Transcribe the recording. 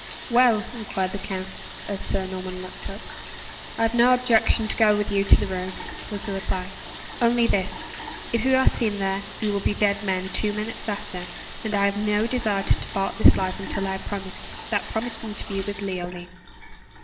"Well," inquired the count, as Sir Norman looked up. "I have no objection to go with you to the ruin," was the reply, "only this; if we are seen there, we will be dead men two minutes after; and I have no desire to depart this life until I have had that promised interview with Leoline."